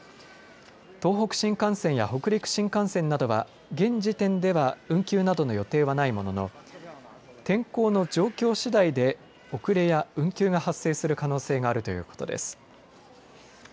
東北新幹線や北陸新幹線などは現時点では運休などの予定はないものの天候の状況しだいで遅れや運休が発生する可能性があるということです。